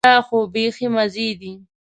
بیا خو بيخي مزې دي.